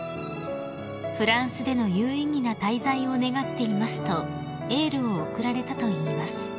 「フランスでの有意義な滞在を願っています」とエールを送られたといいます］